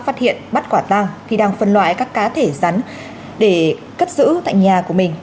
phát hiện bắt quả tang khi đang phân loại các cá thể rắn để cất giữ tại nhà của mình